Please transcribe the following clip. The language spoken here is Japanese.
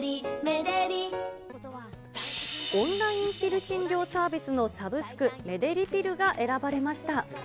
オンラインピル診療サービスのサブスク、メデリピルが選ばれました。